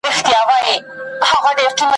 ملنګه جهاني د پاچاهانو دښمني ده `